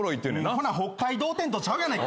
ほな北海道展とちゃうやないか。